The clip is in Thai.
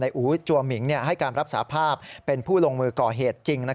อู๋จัวหมิงให้การรับสาภาพเป็นผู้ลงมือก่อเหตุจริง